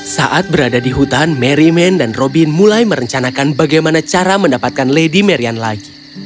saat berada di hutan mary men dan robin mulai merencanakan bagaimana cara mendapatkan lady marian lagi